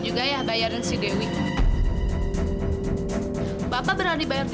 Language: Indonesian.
iya pak emangnya bapak benar